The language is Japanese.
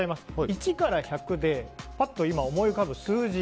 １から１００でぱっと思い浮かぶ数字